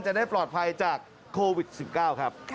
จะได้ปลอดภัยจากโควิด๑๙ครับ